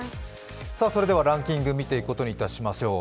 それではランキング見ていくことにいたしましょう。